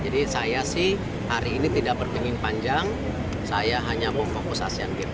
jadi saya sih hari ini tidak berpingin panjang saya hanya mau fokus asian games